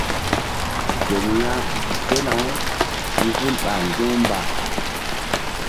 Ten ya sena-u i hul ɓa ŋgi̧-u mba.